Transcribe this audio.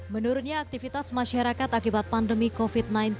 menurutnya aktivitas masyarakat akibat pandemi covid sembilan belas